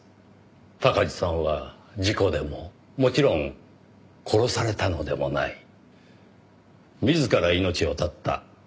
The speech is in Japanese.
鷹児さんは事故でももちろん殺されたのでもない自ら命を絶った。